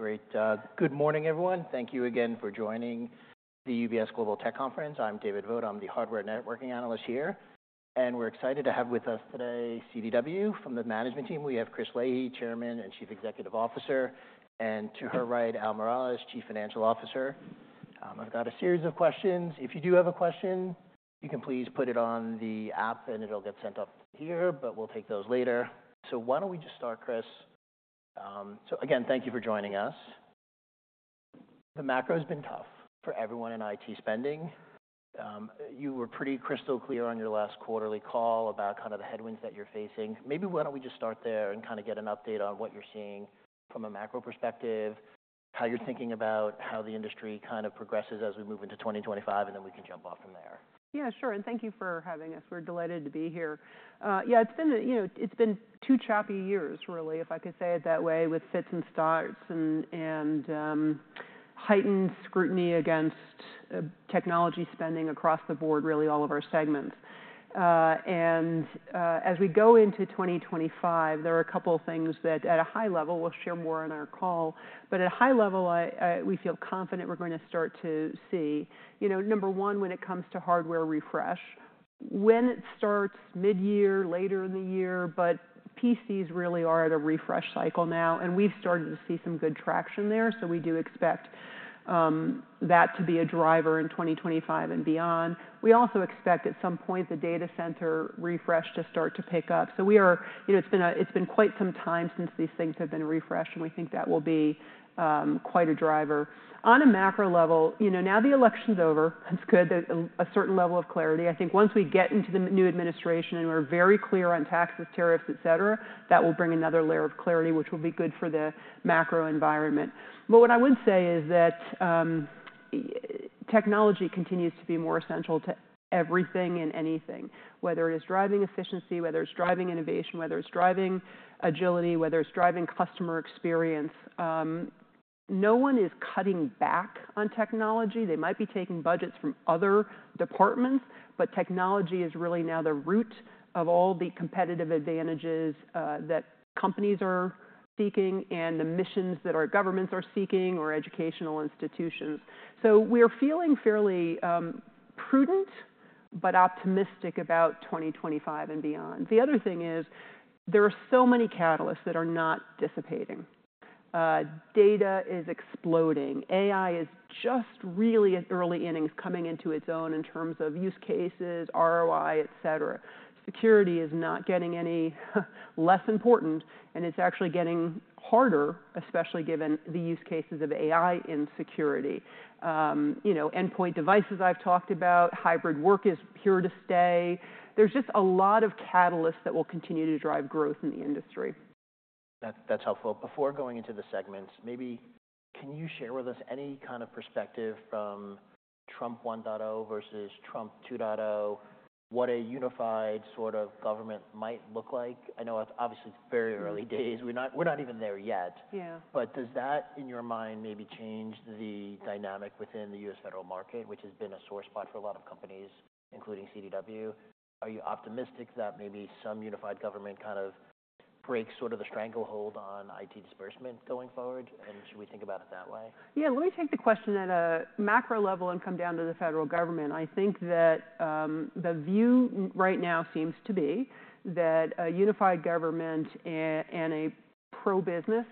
Great. Good morning, everyone. Thank you again for joining the UBS Global Tech Conference. I'm David Vogt. I'm the hardware networking analyst here. And we're excited to have with us today CDW. From the management team, we have Chris Leahy, Chairman and Chief Executive Officer. And to her right, Al Miralles, Chief Financial Officer. I've got a series of questions. If you do have a question, you can please put it on the app, and it'll get sent up here. But we'll take those later. So why don't we just start, Chris? So again, thank you for joining us. The macro has been tough for everyone in IT spending. You were pretty crystal clear on your last quarterly call about kind of the headwinds that you're facing. Maybe why don't we just start there and kind of get an update on what you're seeing from a macro perspective, how you're thinking about how the industry kind of progresses as we move into 2025, and then we can jump off from there. Yeah, sure, and thank you for having us. We're delighted to be here. Yeah, it's been two choppy years, really, if I could say it that way, with fits and starts and heightened scrutiny against technology spending across the board, really all of our segments, and as we go into 2025, there are a couple of things that, at a high level, we'll share more on our call, but at a high level, we feel confident we're going to start to see, number one, when it comes to hardware refresh, when it starts mid-year, later in the year, but PCs really are at a refresh cycle now, and we've started to see some good traction there, so we do expect that to be a driver in 2025 and beyond. We also expect at some point the data center refresh to start to pick up. It's been quite some time since these things have been refreshed, and we think that will be quite a driver. On a macro level, now the election's over. That's good. A certain level of clarity. I think once we get into the new administration and we're very clear on taxes, tariffs, et cetera, that will bring another layer of clarity, which will be good for the macro environment. But what I would say is that technology continues to be more essential to everything and anything, whether it is driving efficiency, whether it's driving innovation, whether it's driving agility, whether it's driving customer experience. No one is cutting back on technology. They might be taking budgets from other departments, but technology is really now the root of all the competitive advantages that companies are seeking and the missions that our governments are seeking or educational institutions. So we are feeling fairly prudent but optimistic about 2025 and beyond. The other thing is there are so many catalysts that are not dissipating. Data is exploding. AI is just really at early innings coming into its own in terms of use cases, ROI, et cetera. Security is not getting any less important, and it's actually getting harder, especially given the use cases of AI in security. Endpoint devices I've talked about, hybrid work is here to stay. There's just a lot of catalysts that will continue to drive growth in the industry. That's helpful. Before going into the segments, maybe can you share with us any kind of perspective from Trump 1.0 versus Trump 2.0, what a unified sort of government might look like? I know it's obviously very early days. We're not even there yet. But does that, in your mind, maybe change the dynamic within the U.S. federal market, which has been a sore spot for a lot of companies, including CDW? Are you optimistic that maybe some unified government kind of breaks sort of the stranglehold on IT disbursement going forward? And should we think about it that way? Yeah, let me take the question at a macro level and come down to the federal government. I think that the view right now seems to be that a unified government and a pro-business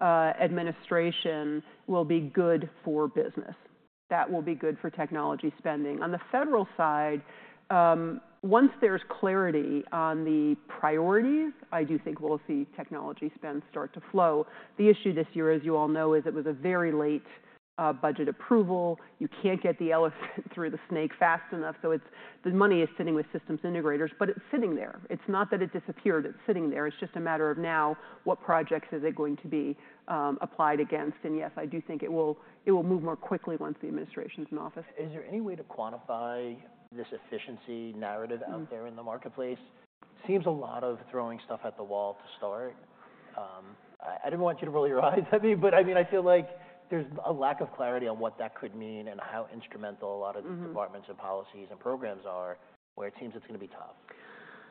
administration will be good for business. That will be good for technology spending. On the federal side, once there's clarity on the priorities, I do think we'll see technology spend start to flow. The issue this year, as you all know, is it was a very late budget approval. You can't get the elephant through the snake fast enough. So the money is sitting with systems integrators, but it's sitting there. It's not that it disappeared. It's sitting there. It's just a matter of now what projects is it going to be applied against, and yes, I do think it will move more quickly once the administration's in office. Is there any way to quantify this efficiency narrative out there in the marketplace? It seems a lot of throwing stuff at the wall to start. I didn't want you to roll your eyes at me, but I mean, I feel like there's a lack of clarity on what that could mean and how instrumental a lot of these departments and policies and programs are, where it seems it's going to be tough.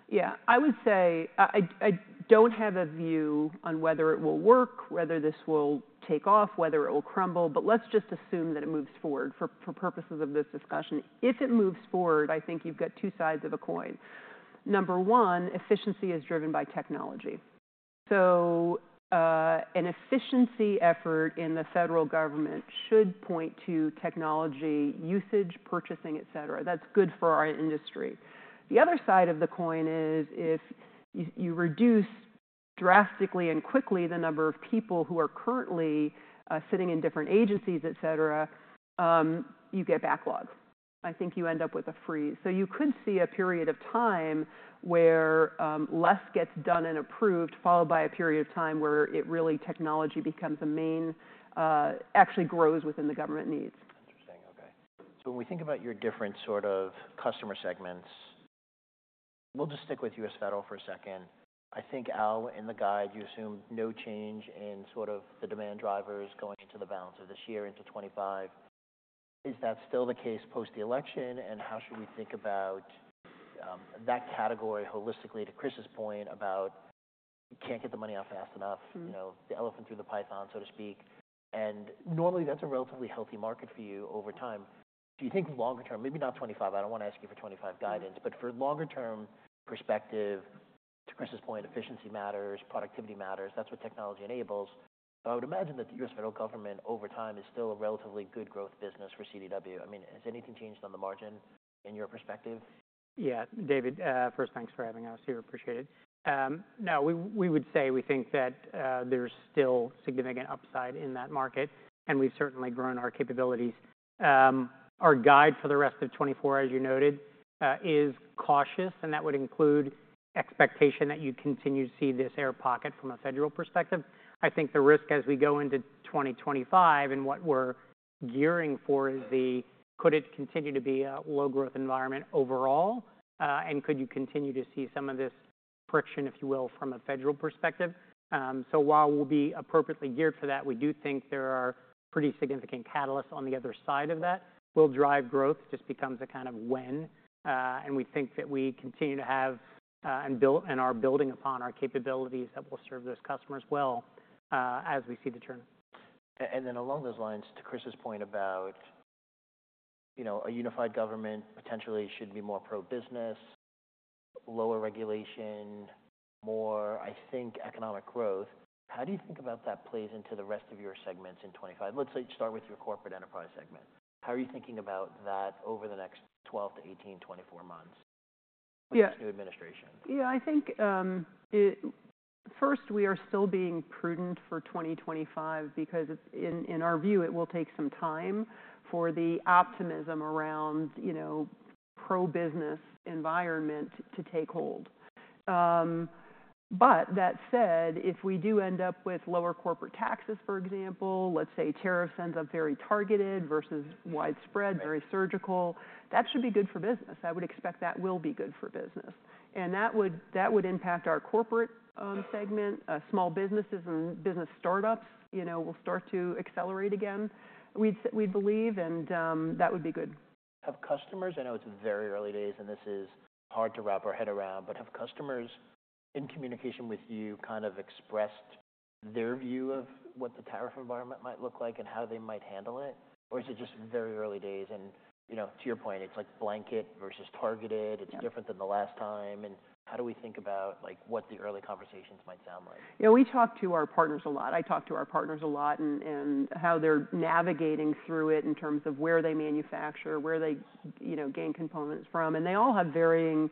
Yeah, I would say I don't have a view on whether it will work, whether this will take off, whether it will crumble. But let's just assume that it moves forward. For purposes of this discussion, if it moves forward, I think you've got two sides of a coin. Number one, efficiency is driven by technology. So an efficiency effort in the federal government should point to technology usage, purchasing, et cetera. That's good for our industry. The other side of the coin is if you reduce drastically and quickly the number of people who are currently sitting in different agencies, et cetera, you get backlog. I think you end up with a freeze. So you could see a period of time where less gets done and approved, followed by a period of time where it really technology becomes a main, actually grows within the government needs. Interesting. Okay, so when we think about your different sort of customer segments, we'll just stick with U.S. federal for a second. I think, Al, in the guide, you assume no change in sort of the demand drivers going into the balance of this year into 2025. Is that still the case post the election? And how should we think about that category holistically to Chris's point about you can't get the money out fast enough, the elephant through the python, so to speak? And normally that's a relatively healthy market for you over time. Do you think longer term, maybe not 2025, I don't want to ask you for 2025 guidance, but for longer-term perspective, to Chris's point, efficiency matters, productivity matters. That's what technology enables, but I would imagine that the U.S. federal government over time is still a relatively good growth business for CDW. I mean, has anything changed on the margin in your perspective? Yeah, David, first, thanks for having us here. Appreciate it. No, we would say we think that there's still significant upside in that market, and we've certainly grown our capabilities. Our guide for the rest of 2024, as you noted, is cautious, and that would include expectation that you continue to see this air pocket from a federal perspective. I think the risk as we go into 2025 and what we're gearing for is the could it continue to be a low-growth environment overall, and could you continue to see some of this friction, if you will, from a federal perspective? So while we'll be appropriately geared for that, we do think there are pretty significant catalysts on the other side of that. We'll drive growth just becomes a kind of when. We think that we continue to have and are building upon our capabilities that will serve those customers well as we see the turn. And then, along those lines, to Chris's point about a unified government potentially should be more pro-business, lower regulation, more, I think, economic growth. How do you think about that plays into the rest of your segments in 2025? Let's start with your corporate enterprise segment. How are you thinking about that over the next 12 to 18, 24 months with this new administration? Yeah, I think first we are still being prudent for 2025 because in our view, it will take some time for the optimism around pro-business environment to take hold. But that said, if we do end up with lower corporate taxes, for example, let's say tariffs end up very targeted versus widespread, very surgical, that should be good for business. I would expect that will be good for business. And that would impact our corporate segment. Small businesses and business startups will start to accelerate again, we believe, and that would be good. Have customers, I know it's very early days, and this is hard to wrap our head around, but have customers in communication with you kind of expressed their view of what the tariff environment might look like and how they might handle it? Or is it just very early days? And to your point, it's like blanket versus targeted. It's different than the last time. And how do we think about what the early conversations might sound like? Yeah, we talk to our partners a lot. I talk to our partners a lot and how they're navigating through it in terms of where they manufacture, where they gain components from, and they all have varying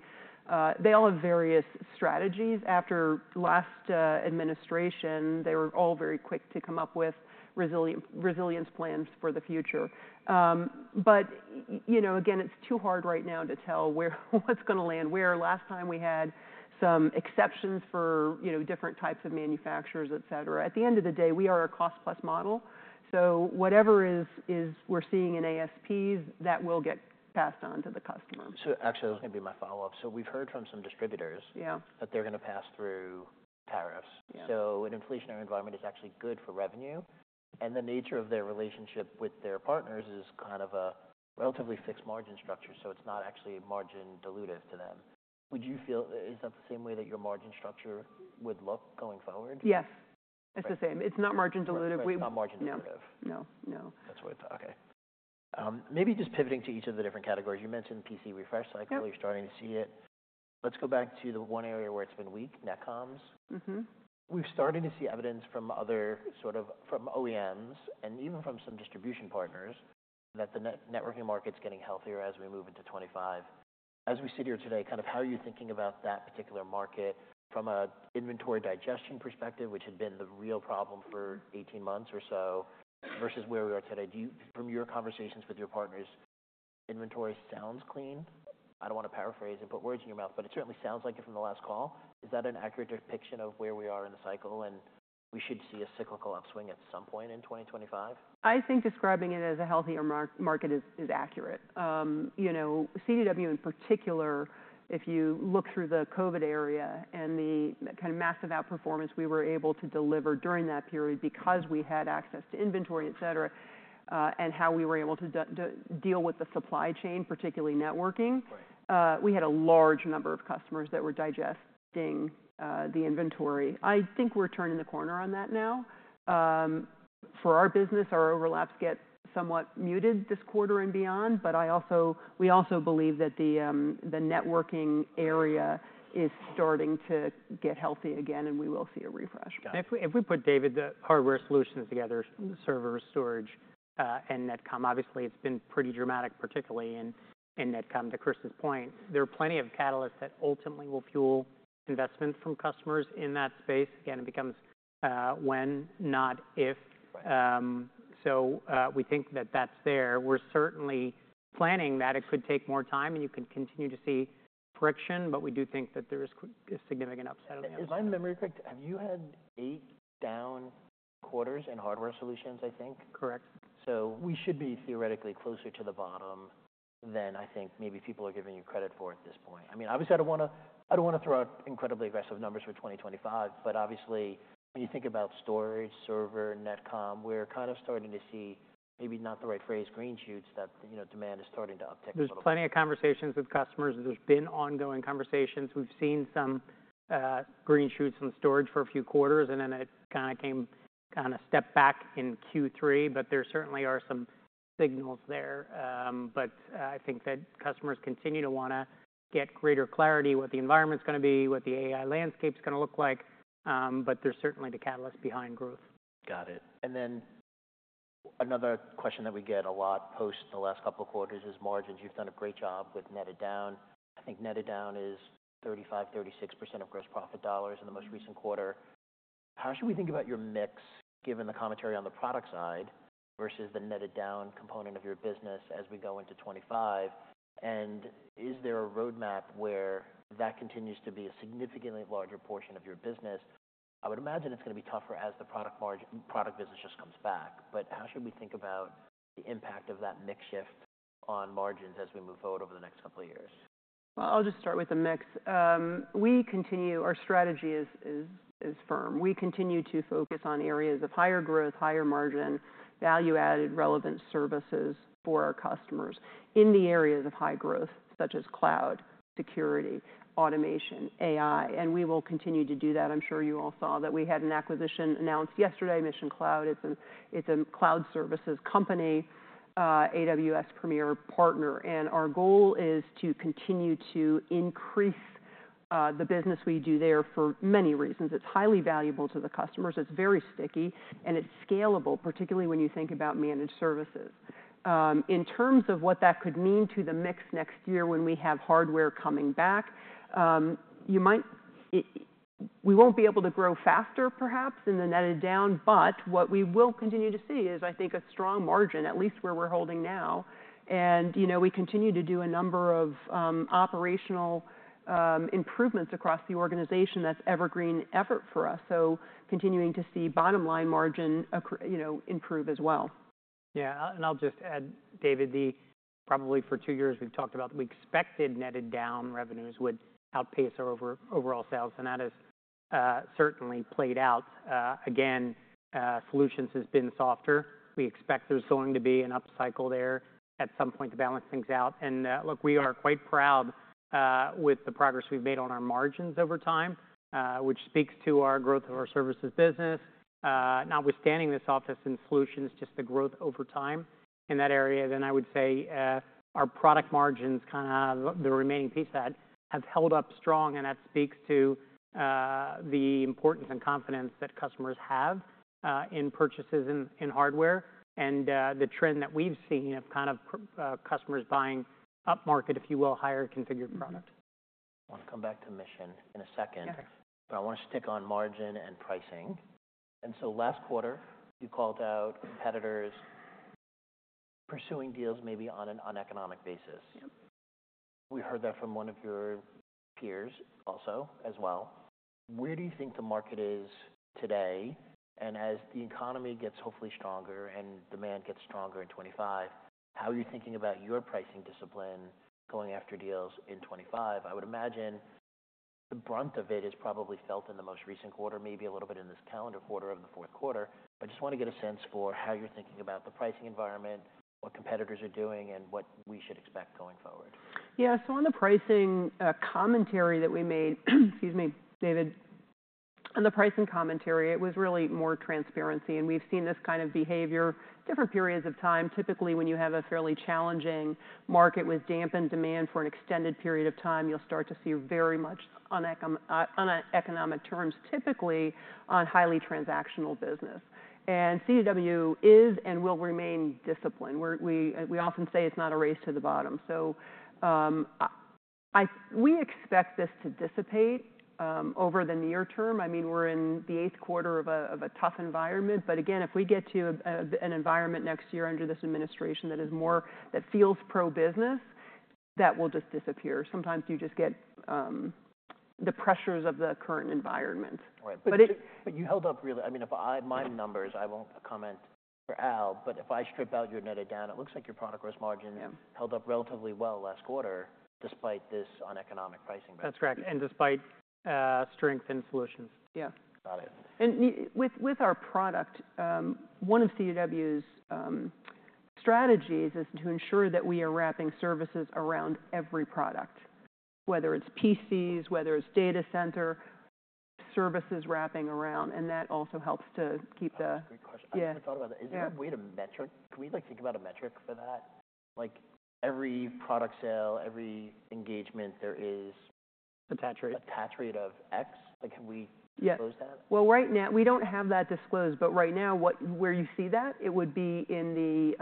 strategies. After last administration, they were all very quick to come up with resilience plans for the future, but again, it's too hard right now to tell what's going to land where. Last time we had some exceptions for different types of manufacturers, et cetera. At the end of the day, we are a cost-plus model, so whatever we're seeing in ASPs, that will get passed on to the customer. So actually, that was going to be my follow-up. So we've heard from some distributors that they're going to pass through tariffs. So an inflationary environment is actually good for revenue. And the nature of their relationship with their partners is kind of a relatively fixed margin structure. So it's not actually margin-dilutive to them. Would you feel is that the same way that your margin structure would look going forward? Yes. It's the same. It's not margin-dilutive. It's not margin-dilutive. No, no, no. That's what I thought. Okay. Maybe just pivoting to each of the different categories. You mentioned PC refresh cycle. You're starting to see it. Let's go back to the one area where it's been weak, NetComms. We're starting to see evidence from other from OEMs and even from some distribution partners that the networking market's getting healthier as we move into 2025. As we sit here today, kind of how are you thinking about that particular market from an inventory digestion perspective, which had been the real problem for 18 months or so versus where we are today? From your conversations with your partners, inventory sounds clean. I don't want to paraphrase and put words in your mouth, but it certainly sounds like it from the last call. Is that an accurate depiction of where we are in the cycle and we should see a cyclical upswing at some point in 2025? I think describing it as a healthier market is accurate. CDW in particular, if you look through the COVID era and the kind of massive outperformance we were able to deliver during that period because we had access to inventory, et cetera, and how we were able to deal with the supply chain, particularly networking, we had a large number of customers that were digesting the inventory. I think we're turning the corner on that now. For our business, our overhangs get somewhat muted this quarter and beyond, but we also believe that the networking area is starting to get healthy again, and we will see a refresh. If we put, David, the Hardware Solutions together, server storage and Netcomm, obviously it's been pretty dramatic, particularly in Netcomm, to Chris's point. There are plenty of catalysts that ultimately will fuel investment from customers in that space. Again, it becomes when, not if. So we think that that's there. We're certainly planning that it could take more time, and you can continue to see friction, but we do think that there is a significant upside on the outside. If my memory is correct, have you had eight down quarters in Hardware Solutions, I think? Correct. So we should be theoretically closer to the bottom than I think maybe people are giving you credit for at this point. I mean, obviously, I don't want to throw out incredibly aggressive numbers for 2025, but obviously, when you think about storage, server, Netcomm, we're kind of starting to see maybe not the right phrase, green shoots, that demand is starting to uptick. There's plenty of conversations with customers. There's been ongoing conversations. We've seen some green shoots on storage for a few quarters, and then it kind of stepped back in Q3, but there certainly are some signals there, but I think that customers continue to want to get greater clarity what the environment's going to be, what the AI landscape's going to look like, but there's certainly the catalyst behind growth. Got it. And then another question that we get a lot post the last couple of quarters is margins. You've done a great job with netted down. I think netted down is 35%-36% of gross profit dollars in the most recent quarter. How should we think about your mix, given the commentary on the product side versus the netted down component of your business as we go into 2025? And is there a roadmap where that continues to be a significantly larger portion of your business? I would imagine it's going to be tougher as the product business just comes back. But how should we think about the impact of that mix shift on margins as we move forward over the next couple of years? I'll just start with the mix. Our strategy is firm. We continue to focus on areas of higher growth, higher margin, value-added relevant services for our customers in the areas of high growth, such as cloud, security, automation, AI. And we will continue to do that. I'm sure you all saw that we had an acquisition announced yesterday, Mission Cloud. It's a cloud services company, AWS Premier Partner. And our goal is to continue to increase the business we do there for many reasons. It's highly valuable to the customers. It's very sticky, and it's scalable, particularly when you think about managed services. In terms of what that could mean to the mix next year when we have hardware coming back, we won't be able to grow faster, perhaps, in the netted down. But what we will continue to see is, I think, a strong margin, at least where we're holding now. And we continue to do a number of operational improvements across the organization. That's evergreen effort for us. So continuing to see bottom line margin improve as well. Yeah. And I'll just add, David, probably for two years, we've talked about that we expected netted down revenues would outpace our overall sales. And that has certainly played out. Again, solutions has been softer. We expect there's going to be an upcycle there at some point to balance things out. And look, we are quite proud with the progress we've made on our margins over time, which speaks to our growth of our services business. Notwithstanding this office and solutions, just the growth over time in that area, then I would say our product margins, kind of the remaining piece of that, have held up strong. And that speaks to the importance and confidence that customers have in purchases in hardware and the trend that we've seen of kind of customers buying upmarket, if you will, higher configured product. I want to come back to Mission in a second, but I want to stick on margin and pricing. So last quarter, you called out competitors pursuing deals maybe on an uneconomic basis. We heard that from one of your peers also as well. Where do you think the market is today? As the economy gets hopefully stronger and demand gets stronger in 2025, how are you thinking about your pricing discipline going after deals in 2025? I would imagine the brunt of it is probably felt in the most recent quarter, maybe a little bit in this calendar quarter of the fourth quarter. I just want to get a sense for how you're thinking about the pricing environment, what competitors are doing, and what we should expect going forward. Yeah. So on the pricing commentary that we made, excuse me, David, on the pricing commentary, it was really more transparency. And we've seen this kind of behavior different periods of time. Typically, when you have a fairly challenging market with dampened demand for an extended period of time, you'll start to see very much on economic terms, typically on highly transactional business. And CDW is and will remain disciplined. We often say it's not a race to the bottom. So we expect this to dissipate over the near term. I mean, we're in the eighth quarter of a tough environment. But again, if we get to an environment next year under this administration that is more that feels pro-business, that will just disappear. Sometimes you just get the pressures of the current environment. But you held up really. I mean, if I run my numbers, I won't comment for Al, but if I strip out your netted down, it looks like your product gross margin held up relatively well last quarter despite this uneconomic pricing risk. That's correct. And despite strength in solutions. Yeah. Got it. And with our product, one of CDW's strategies is to ensure that we are wrapping services around every product, whether it's PCs, whether it's data center, services wrapping around. And that also helps to keep the. Great question. I never thought about that. Is there a way to metric? Can we think about a metric for that? Every product sale, every engagement, there is. A tax rate of X. Can we disclose that? Right now, we don't have that disclosed, but right now, where you see that, it would be in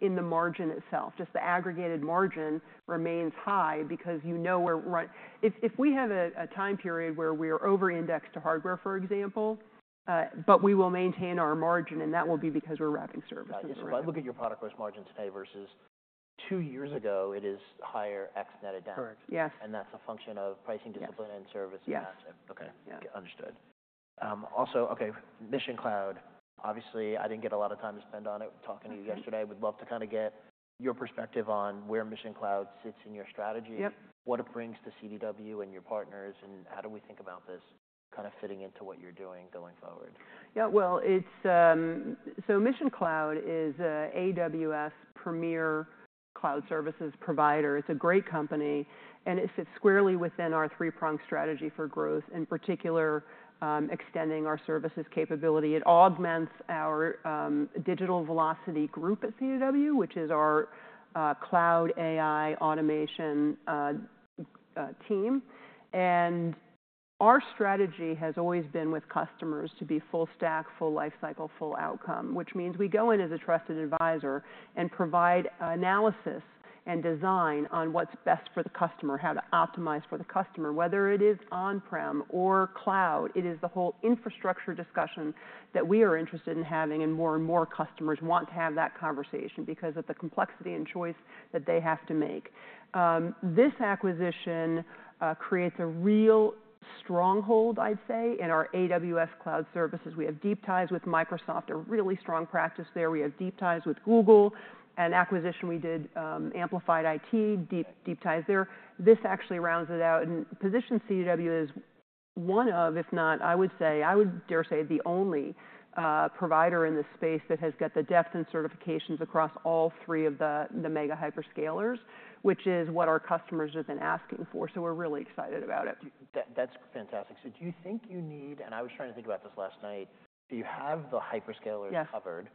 the margin itself. Just the aggregated margin remains high because you know we're running if we have a time period where we are over-indexed to hardware, for example, but we will maintain our margin, and that will be because we're wrapping services. If I look at your product gross margin today versus two years ago, it is higher ex netted down. Correct. Yes. That's a function of pricing discipline and service management. Yes. Okay. Understood. Also, okay, Mission Cloud, obviously, I didn't get a lot of time to spend on it talking to you yesterday. I would love to kind of get your perspective on where Mission Cloud sits in your strategy, what it brings to CDW and your partners, and how do we think about this kind of fitting into what you're doing going forward? Yeah. Well, so Mission Cloud is AWS Premier Cloud Services provider. It's a great company. And it fits squarely within our three-prong strategy for growth, in particular, extending our services capability. It augments our Digital Velocity Group at CDW, which is our cloud AI automation team. And our strategy has always been with customers to be full stack, full lifecycle, full outcome, which means we go in as a trusted advisor and provide analysis and design on what's best for the customer, how to optimize for the customer. Whether it is on-prem or cloud, it is the whole infrastructure discussion that we are interested in having, and more and more customers want to have that conversation because of the complexity and choice that they have to make. This acquisition creates a real stronghold, I'd say, in our AWS cloud services. We have deep ties with Microsoft, a really strong practice there. We have deep ties with Google. An acquisition we did, Amplified IT, deep ties there. This actually rounds it out and positions CDW as one of, if not, I would say, I would dare say the only provider in this space that has got the depth and certifications across all three of the mega hyperscalers, which is what our customers have been asking for, so we're really excited about it. That's fantastic. So do you think you need, and I was trying to think about this last night, you have the hyperscalers covered.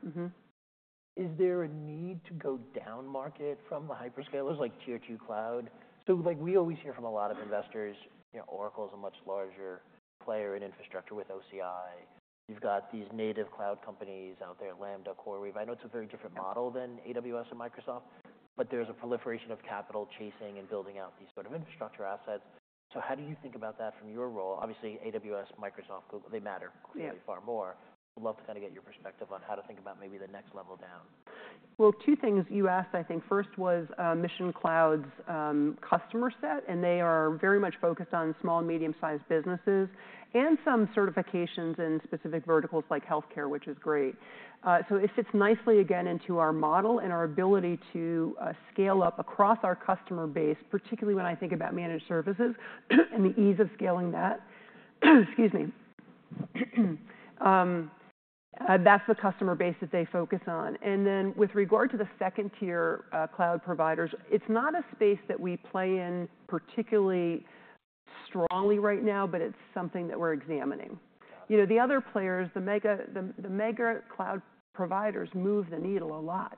Is there a need to go down market from the hyperscalers like Tier 2 Cloud? So we always hear from a lot of investors, Oracle is a much larger player in infrastructure with OCI. You've got these native cloud companies out there, Lambda, CoreWeave. I know it's a very different model than AWS and Microsoft, but there's a proliferation of capital chasing and building out these sort of infrastructure assets. So how do you think about that from your role? Obviously, AWS, Microsoft, Google, they matter clearly far more. I'd love to kind of get your perspective on how to think about maybe the next level down. Well, two things you asked, I think. First was Mission Cloud's customer set, and they are very much focused on small and medium-sized businesses and some certifications in specific verticals like healthcare, which is great. So it fits nicely again into our model and our ability to scale up across our customer base, particularly when I think about managed services and the ease of scaling that. Excuse me. That's the customer base that they focus on. And then with regard to the second-tier cloud providers, it's not a space that we play in particularly strongly right now, but it's something that we're examining. The other players, the mega cloud providers move the needle a lot.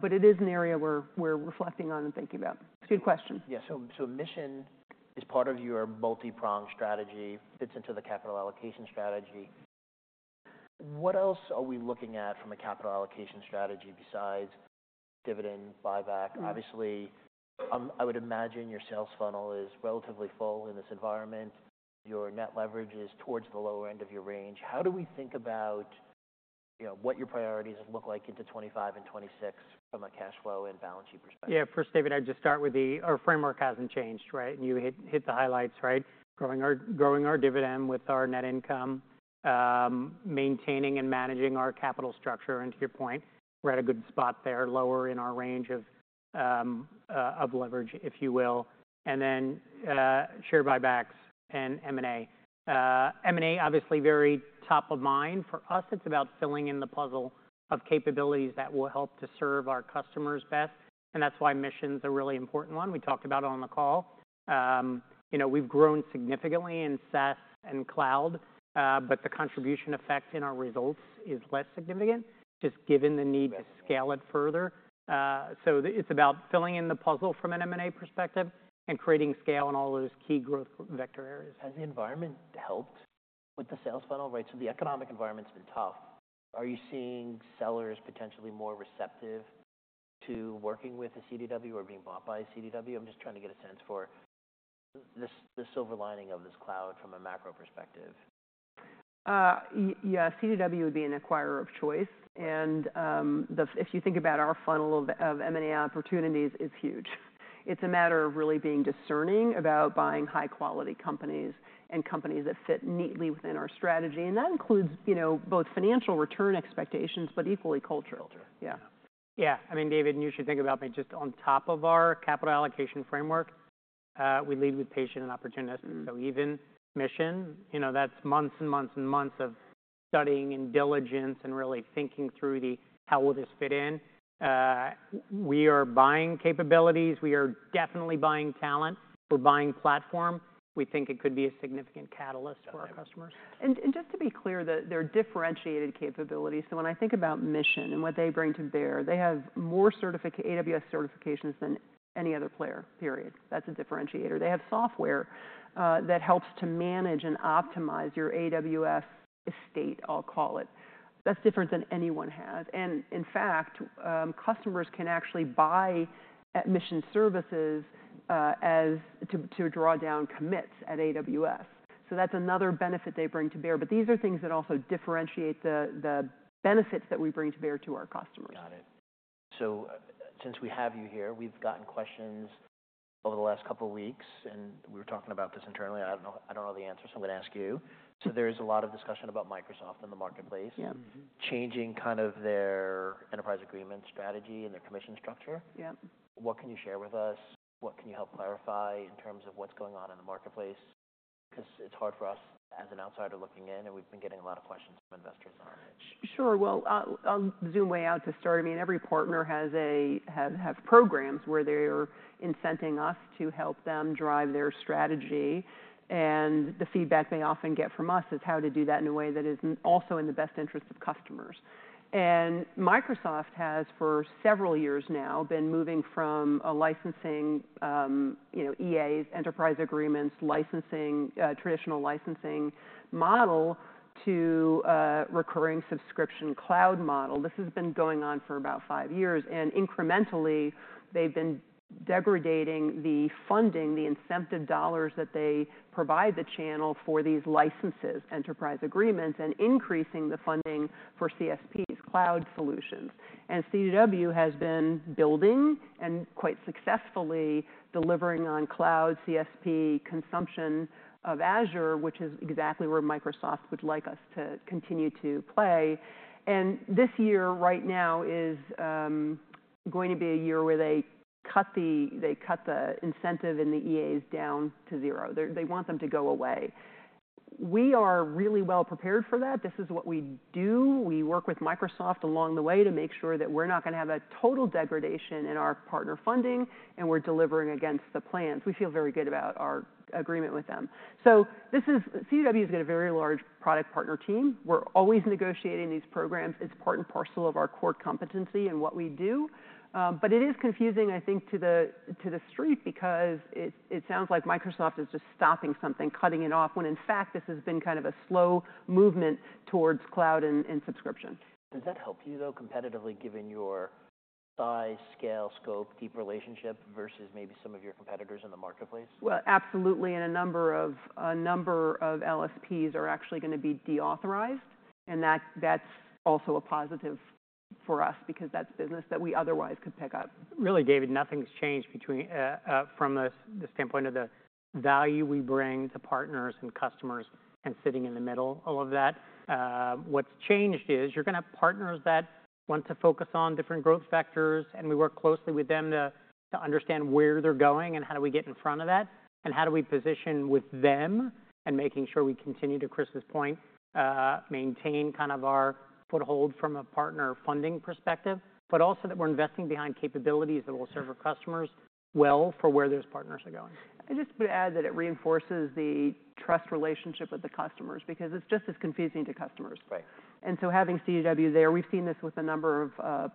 But it is an area we're reflecting on and thinking about. It's a good question. Yeah. So Mission Cloud is part of your multi-pronged strategy, fits into the capital allocation strategy. What else are we looking at from a capital allocation strategy besides dividend buyback? Obviously, I would imagine your sales funnel is relatively full in this environment. Your net leverage is towards the lower end of your range. How do we think about what your priorities look like into 2025 and 2026 from a cash flow and balance sheet perspective? Yeah. First, David, I'd just start with that our framework hasn't changed, right? And you hit the highlights, right? Growing our dividend with our net income, maintaining and managing our capital structure. And to your point, we're at a good spot there, lower in our range of leverage, if you will. And then share buybacks and M&A. M&A, obviously, very top of mind. For us, it's about filling in the puzzle of capabilities that will help to serve our customers best. And that's why Mission Cloud is a really important one. We talked about it on the call. We've grown significantly in SaaS and cloud, but the contribution effect in our results is less significant just given the need to scale it further. So it's about filling in the puzzle from an M&A perspective and creating scale in all those key growth vector areas. Has the environment helped with the sales funnel? Right. So the economic environment's been tough. Are you seeing sellers potentially more receptive to working with a CDW or being bought by a CDW? I'm just trying to get a sense for the silver lining of this cloud from a macro perspective. Yeah. CDW would be an acquirer of choice. And if you think about our funnel of M&A opportunities, it's huge. It's a matter of really being discerning about buying high-quality companies and companies that fit neatly within our strategy. And that includes both financial return expectations, but equally cultural. Yeah. Yeah. I mean, David, and you should think about me. Just on top of our capital allocation framework, we lead with patient and opportunistic. So even Mission, that's months and months and months of studying and diligence and really thinking through how this will fit in. We are buying capabilities. We are definitely buying talent. We're buying platform. We think it could be a significant catalyst for our customers. And just to be clear, there are differentiated capabilities. So when I think about Mission and what they bring to bear, they have more AWS certifications than any other player, period. That's a differentiator. They have software that helps to manage and optimize your AWS estate, I'll call it. That's different than anyone has. And in fact, customers can actually buy Mission services to draw down commits at AWS. So that's another benefit they bring to bear. But these are things that also differentiate the benefits that we bring to bear to our customers. Got it. So since we have you here, we've gotten questions over the last couple of weeks, and we were talking about this internally. I don't know the answer, so I'm going to ask you. So there is a lot of discussion about Microsoft in the marketplace changing kind of their Enterprise Agreement strategy and their commission structure. What can you share with us? What can you help clarify in terms of what's going on in the marketplace? Because it's hard for us as an outsider looking in, and we've been getting a lot of questions from investors on it. Sure. Well, I'll zoom way out to start. I mean, every partner has programs where they're incenting us to help them drive their strategy. And the feedback they often get from us is how to do that in a way that is also in the best interest of customers. And Microsoft has for several years now been moving from a licensing EAs, Enterprise Agreements, traditional licensing model to a recurring subscription cloud model. This has been going on for about five years. And incrementally, they've been degrading the funding, the incentive dollars that they provide the channel for these licenses, Enterprise Agreements, and increasing the funding for CSPs, cloud solutions. And CDW has been building and quite successfully delivering on cloud CSP consumption of Azure, which is exactly where Microsoft would like us to continue to play. And this year right now is going to be a year where they cut the incentive in the EAs down to zero. They want them to go away. We are really well prepared for that. This is what we do. We work with Microsoft along the way to make sure that we're not going to have a total degradation in our partner funding, and we're delivering against the plans. We feel very good about our agreement with them. So CDW has got a very large product partner team. We're always negotiating these programs. It's part and parcel of our core competency and what we do. But it is confusing, I think, to the street because it sounds like Microsoft is just stopping something, cutting it off, when in fact this has been kind of a slow movement towards cloud and subscription. Does that help you, though, competitively, given your size, scale, scope, deep relationship versus maybe some of your competitors in the marketplace? Absolutely. A number of LSPs are actually going to be deauthorized. That's also a positive for us because that's business that we otherwise could pick up. Really, David, nothing's changed from the standpoint of the value we bring to partners and customers and sitting in the middle of that. What's changed is you're going to have partners that want to focus on different growth factors, and we work closely with them to understand where they're going and how do we get in front of that and how do we position with them, and making sure we continue to, Chris's point, maintain kind of our foothold from a partner funding perspective, but also that we're investing behind capabilities that will serve our customers well for where those partners are going. I just would add that it reinforces the trust relationship with the customers because it's just as confusing to customers, and so having CDW there, we've seen this with a number of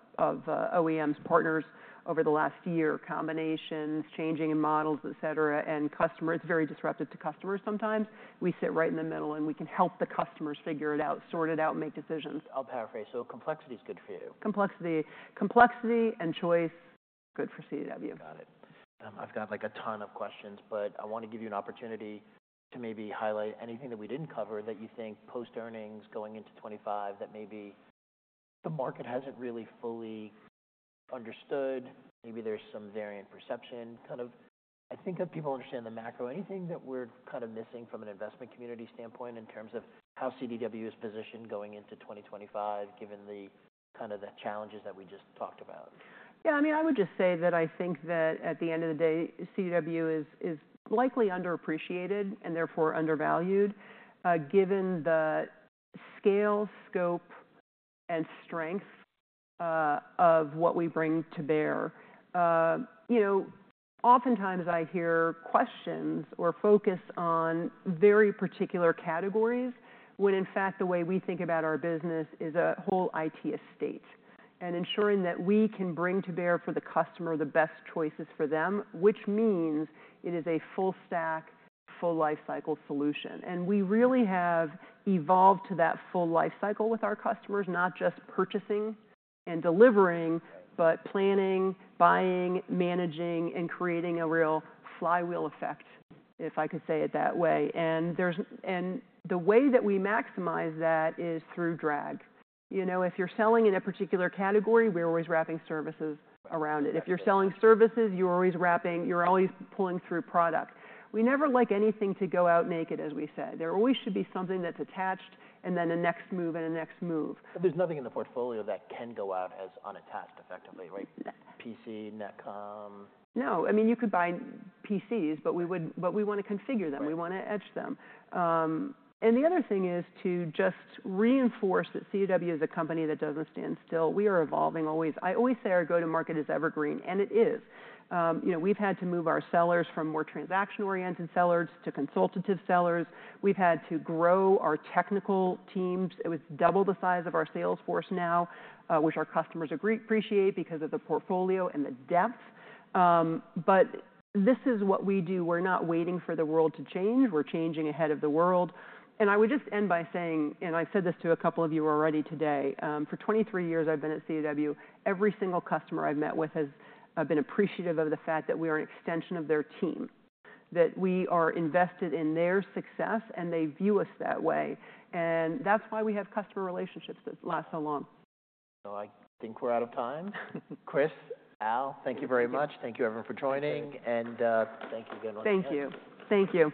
OEMs, partners over the last year, combinations, changing models, et cetera, and it's very disruptive to customers sometimes. We sit right in the middle, and we can help the customers figure it out, sort it out, and make decisions. I'll paraphrase. So complexity is good for you. Complexity. Complexity and choice, good for CDW. Got it. I've got a ton of questions, but I want to give you an opportunity to maybe highlight anything that we didn't cover that you think post-earnings going into 2025 that maybe the market hasn't really fully understood. Maybe there's some variant perception kind of. I think that people understand the macro. Anything that we're kind of missing from an investment community standpoint in terms of how CDW is positioned going into 2025, given kind of the challenges that we just talked about? Yeah. I mean, I would just say that I think that at the end of the day, CDW is likely underappreciated and therefore undervalued given the scale, scope, and strength of what we bring to bear. Oftentimes, I hear questions or focus on very particular categories when in fact the way we think about our business is a whole IT estate and ensuring that we can bring to bear for the customer the best choices for them, which means it is a full stack, full lifecycle solution. And we really have evolved to that full lifecycle with our customers, not just purchasing and delivering, but planning, buying, managing, and creating a real flywheel effect, if I could say it that way. And the way that we maximize that is through drag. If you're selling in a particular category, we're always wrapping services around it. If you're selling services, you're always wrapping, you're always pulling through product. We never like anything to go out naked, as we said. There always should be something that's attached and then a next move and a next move. There's nothing in the portfolio that can go out as unattached effectively, right? PC, netcom? No. I mean, you could buy PCs, but we want to configure them. We want to edge them. And the other thing is to just reinforce that CDW is a company that doesn't stand still. We are evolving always. I always say our go-to-market is evergreen, and it is. We've had to move our sellers from more transaction-oriented sellers to consultative sellers. We've had to grow our technical teams. It was double the size of our salesforce now, which our customers appreciate because of the portfolio and the depth. But this is what we do. We're not waiting for the world to change. We're changing ahead of the world. I would just end by saying, and I've said this to a couple of you already today, for 23 years I've been at CDW, every single customer I've met with has been appreciative of the fact that we are an extension of their team, that we are invested in their success, and they view us that way. And that's why we have customer relationships that last so long. So I think we're out of time. Chris, Al, thank you very much. Thank you, everyone, for joining. And thank you again once again. Thank you. Thank you.